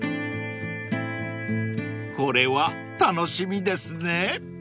［これは楽しみですね］